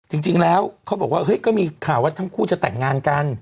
จริงแล้วเขาบอกว่าเฮ้ยก็มีข่าวว่าทั้งคู่จะแต่งงานกัน